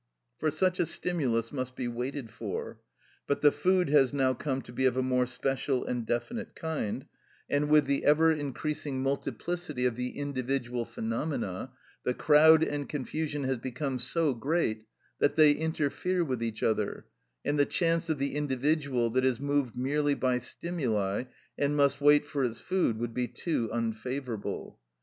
For such a stimulus must be waited for, but the food has now come to be of a more special and definite kind, and with the ever increasing multiplicity of the individual phenomena, the crowd and confusion has become so great that they interfere with each other, and the chance of the individual that is moved merely by stimuli and must wait for its food would be too unfavourable.